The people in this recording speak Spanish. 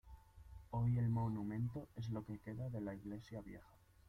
Hoy el monumento es lo que queda de la iglesia vieja.